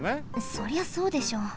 そりゃそうでしょ。